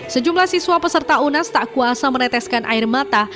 sejumlah siswa peserta unas tak kuasa meneteskan air mata